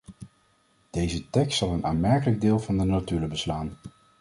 Deze tekst zal een aanmerkelijk deel van de notulen beslaan.